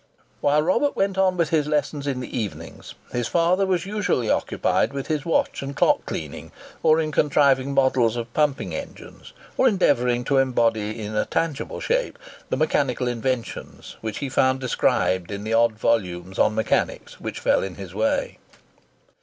While Robert went on with his lessons in the evenings, his father was usually occupied with his watch and clock cleaning; or in contriving models of pumping engines; or endeavouring to embody in a tangible shape the mechanical inventions which he found described in the odd volumes on Mechanics which fell in his way.